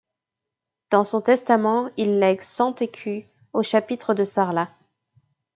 Dans son testament, il lègue cent écus au chapitre de Sarlat.